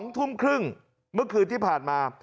๒ทุ่มครึ่งเมื่อคืนที่ผ่านมา